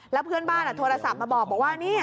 แล้วเพื่อนบ้านโทรศัพท์มาบอกว่า